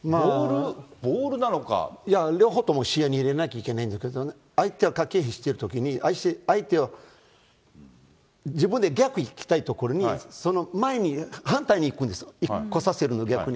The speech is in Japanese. いや、両方とも視野に入れなきゃいけないんだけれども、相手と駆け引きしてるときに、相手を、自分で逆行きたいところに、その前に、反対に行くんです、来させるの、逆に。